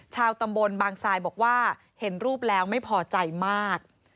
ชาวตำบลบางทรายบอกว่าเห็นรูปแล้วไม่พอใจมาก